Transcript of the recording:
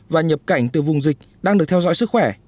và nhập cảnh từ vùng dịch đang được theo dõi sức khỏe